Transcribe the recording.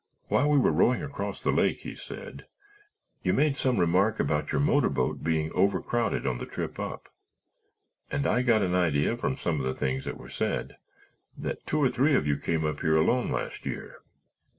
"While we were rowing across the lake," he said, "you made some remark about your motor boat being overcrowded on the trip up and I got an idea from some things that were said that two or three of you came up here alone last year.